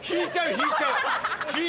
引いちゃう。